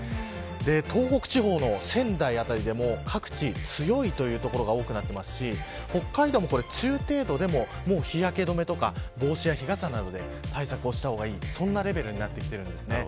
東北地方の仙台辺りでも各地、強いという所が多くなってきていますし北海道も中程度でも日焼け止めとか帽子や日傘などで対策をした方がいいそんなレベルになってきています。